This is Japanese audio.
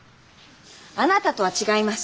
あなたとは違います。